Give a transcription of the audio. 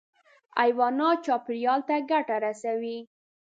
حیوانات چاپېریال ته ګټه رسوي.